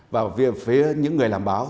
và về phía những người làm báo